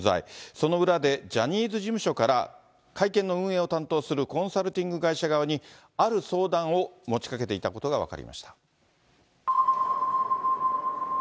その裏でジャニーズ事務所から会見の運営を担当するコンサルティング会社側に、ある相談を持ちかけていたことが分かりました。